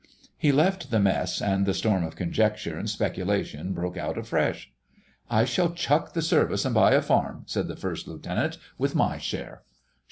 He left the Mess, and the storm of conjecture and speculation broke out afresh. "I shall chuck the Service and buy a farm," said the First Lieutenant, "with my share."